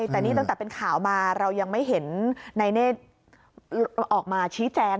แต่นี่ตั้งแต่เป็นข่าวมาเรายังไม่เห็นนายเนธออกมาชี้แจง